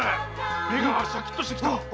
目がシャキッとしてきた。